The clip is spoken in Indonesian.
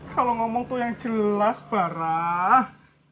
kalau ngomong itu yang jelas marah